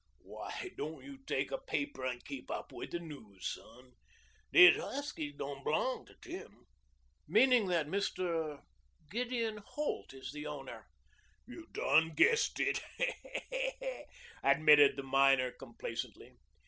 "Why don't you take a paper and keep up with the news, son? These huskies don't belong to Tim." "Meaning that Mr. Gideon Holt is the owner?" "You've done guessed it," admitted the miner complacently.